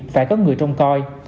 phải có người trông coi